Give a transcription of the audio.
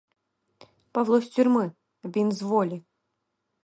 Павло з тюрми, він з волі.